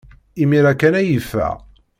Imir-a kan ay yeffeɣ.